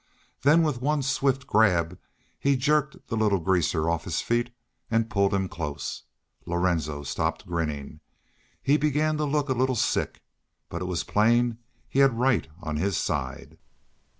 Then with one swift grab he jerked the little greaser off his feet an' pulled him close. Lorenzo stopped grinnin'. He began to look a leetle sick. But it was plain he hed right on his side.